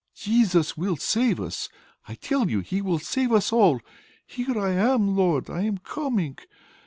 "Jesus will save us! I tell you He will save us all! Here I am, Lord, I am coming!